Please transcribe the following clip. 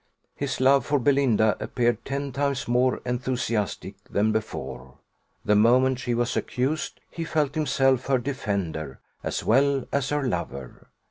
His love for Belinda appeared ten times more enthusiastic than before the moment she was accused, he felt himself her defender, as well as her lover.